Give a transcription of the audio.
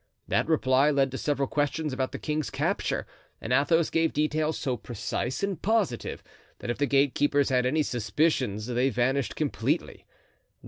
That reply led to several questions about the king's capture, and Athos gave details so precise and positive that if the gatekeepers had any suspicions they vanished completely.